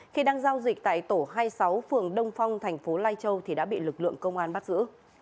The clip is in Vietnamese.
khi đang giao dịch tại tổ hai mươi sáu phường đông phong thành phố lai châu thì đã bị lực lượng công an bắt giữ